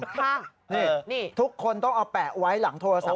ค่ะนี่ทุกคนต้องเอาแปะไว้หลังโทรศัพ